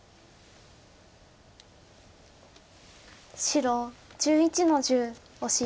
白１１の十オシ。